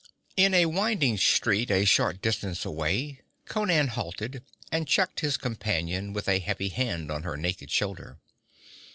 In a winding street a short distance away Conan halted and checked his companion with a heavy hand on her naked shoulder.